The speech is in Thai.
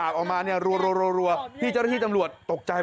มันคงอัดอันมาหลายเรื่องนะมันเลยระเบิดออกมามีทั้งคำสลัดอะไรทั้งเต็มไปหมดเลยฮะ